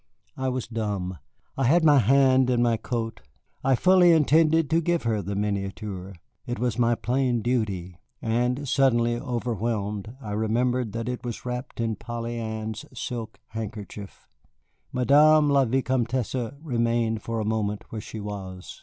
I was dumb. I had my hand in my coat; I fully intended to give her the miniature. It was my plain duty. And suddenly, overwhelmed, I remembered that it was wrapped in Polly Ann's silk handkerchief. Madame la Vicomtesse remained for a moment where she was.